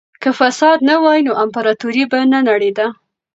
که فساد نه وای نو امپراطورۍ به نه نړېده.